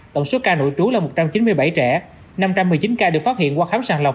tổng số ca nội trú là một trăm chín mươi bảy trẻ năm trăm một mươi chín ca được phát hiện qua khám sàng lọc